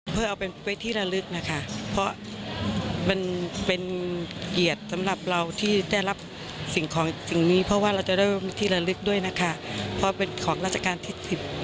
เพื่อเอาไปที่ระลึกนะคะเพราะมันเป็นเกียรติสำหรับเราที่ได้รับสิ่งของสิ่งนี้เพราะว่าเราจะได้ที่ระลึกด้วยนะคะเพราะเป็นของราชการที่สิบ